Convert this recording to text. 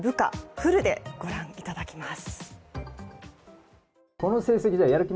フルでご覧いただきます。